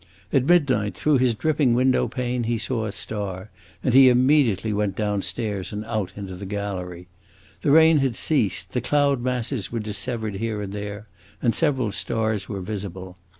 At midnight, through his dripping window pane, he saw a star, and he immediately went downstairs and out into the gallery. The rain had ceased, the cloud masses were dissevered here and there, and several stars were visible.